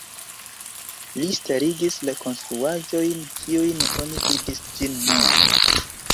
Li starigis la konstruaĵojn kiujn oni vidis ĝis nun.